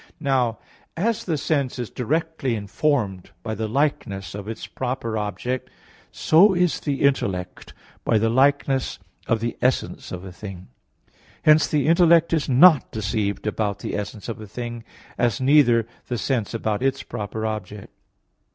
Now as the sense is directly informed by the likeness of its proper object, so is the intellect by the likeness of the essence of a thing. Hence the intellect is not deceived about the essence of a thing, as neither the sense about its proper object.